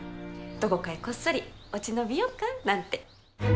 どこかへこっそり落ち延びようかなんて。